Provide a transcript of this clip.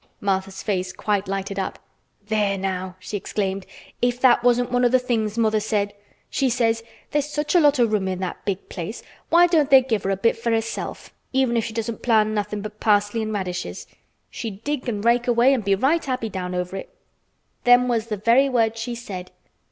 Martha's face quite lighted up. "There now!" she exclaimed, "if that wasn't one of th' things mother said. She says, 'There's such a lot o' room in that big place, why don't they give her a bit for herself, even if she doesn't plant nothin' but parsley an' radishes? She'd dig an' rake away an' be right down happy over it.' Them was the very words she said."